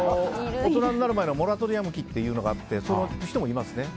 大人になる前のモラトリアム期っていうのがあってその人もいますね。